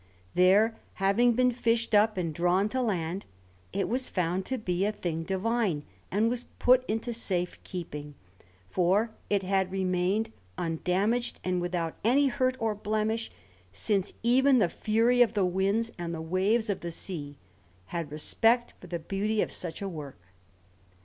There, having been fished up and drawn to land, it was found to be a thing divine, and was put into safe keeping; for it had remained undamaged and without any hurt or blemish, since even the fury of the winds and the waves of the sea had respect for the beauty of such a work.